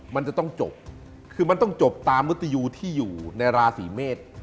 มันจะต้องจบคือมันต้องจบตามมุติยูที่อยู่ในราศีเมษ